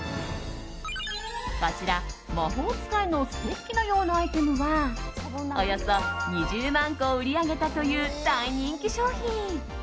こちら、魔法使いのステッキのようなアイテムはおよそ２０万個を売り上げたという大人気商品。